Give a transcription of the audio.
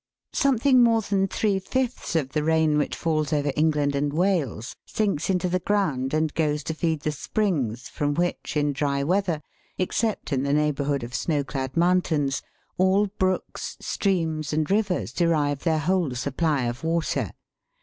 SOMETHING more than three fifths of the rain which falls over England and Wales sinks into the ground and goes to feed the springs, from which, in dry weather, except in the neighbourhood of snow clad mountains, all brooks, streams, and rivers, derive their whole supply 01 water.